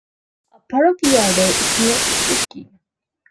A part of iaido is "nukitsuke".